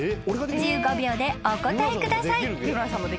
１５秒でお答えください］